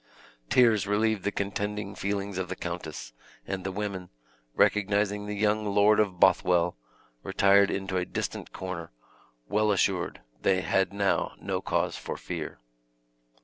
Tears relieved the contending feelings of the countess; and the women, recognizing the young Lord of Bothwell, retired into a distant corner, well assured they had now no cause for fear.